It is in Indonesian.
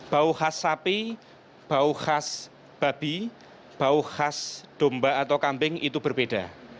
bau khas sapi bau khas babi bau khas domba atau kambing itu berbeda